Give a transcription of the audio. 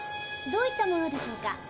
どういったものでしょうか？